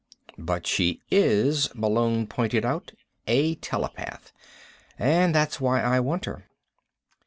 "But she is," Malone pointed out, "a telepath. And that's why I want her."